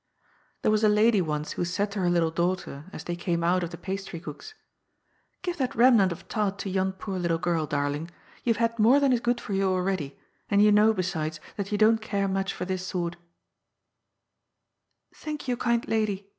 There was a lady once who said to her little daughter, as they came out of the pastrycook's :" Give that remnant of tart to yon poor little girl, dar ling ! you have had more than is good for you already, and you know, besides, that you don't care much for this sort" "Thank you, kind lady!"